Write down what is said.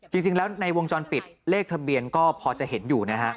จริงแล้วในวงจรปิดเลขทะเบียนก็พอจะเห็นอยู่นะฮะ